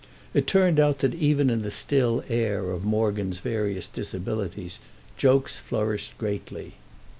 It turned out that even in the still air of Morgan's various disabilities jokes flourished greatly.